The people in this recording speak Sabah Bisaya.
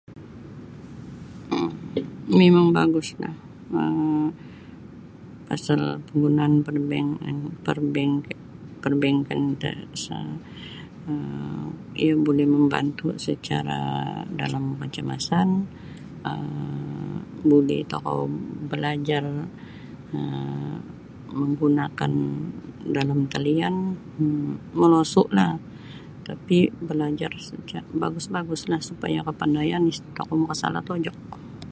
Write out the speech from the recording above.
um mimang baguslah um pasal penggunaan perbing um perbing um perbingkan pasal iyo buli mambantu secara dalam kecemasan um buli tokou balajar um manggunakan dalam talian um molosu'lah tapi' balajar saca' bagus-baguslah supaya kapandayan isa' tokou makasala' tojok.